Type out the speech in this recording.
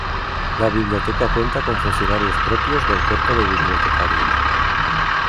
La biblioteca cuenta con funcionarios propios del cuerpo de bibliotecarios.